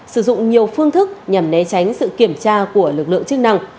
sử dụng nhiều phương thức nhằm né tránh sự kiểm tra của lực lượng chức năng